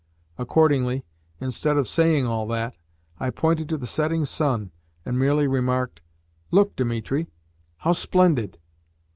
Accordingly, instead of saying all that, I pointed to the setting sun, and merely remarked: "Look, Dimitri! How splendid!"